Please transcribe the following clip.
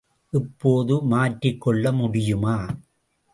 இப்போது மாற்றிக்கொள்ள முடியுமா?